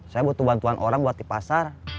saya butuh bantuan orang buat di pasar